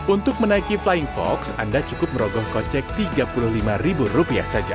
untuk menaiki flying fox anda cukup merogoh kocek tiga puluh lima ribu rupiah saja